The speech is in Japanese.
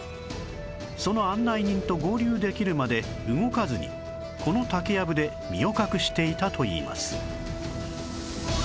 その案内人と合流できるまで動かずにこの竹籔で身を隠していたといいます